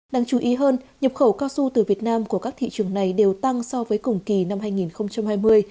đáng chú ý hơn nhập khẩu cao su từ việt nam của các thị trường này đều tăng so với cùng kỳ năm hai nghìn hai mươi